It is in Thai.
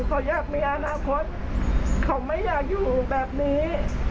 เขาอยากมีอนาคตเขาไม่อยากอยู่แบบนี้